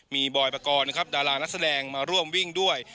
มีบอยปกรณ์นะครับดารานักแสดงมาร่วมวิ่งด้วย